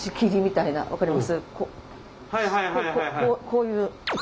こういう。